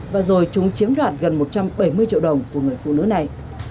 và rồi chúng chiếm đoạt gần một trăm bảy mươi triệu đồng của người phụ nữ này